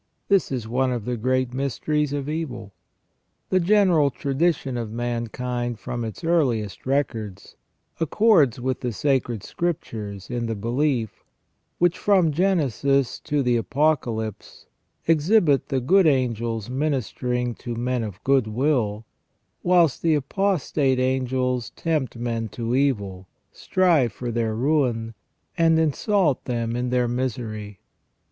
This is one of the great mysteries of evil. The general tradition of mankind from its earliest records accords with the Sacred Scriptures in the belief, which from Genesis to the Apocalypse exhibit the good angels ministering to men of good will, whilst the apostate angels tempt men to evil, strive for their ruin, and insult them in their misery.